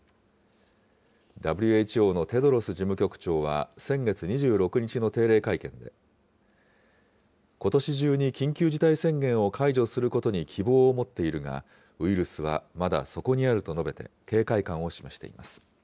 ＷＨＯのテドロス事務局長は先月２６日の定例会見で、ことし中に緊急事態宣言を解除することに希望を持っているが、ウイルスはまだそこにあると述べて、警戒感を示しています。